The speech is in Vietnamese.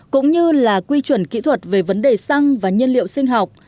cũng như là quy chuẩn kỹ thuật về vấn đề xăng và nhiên liệu sinh học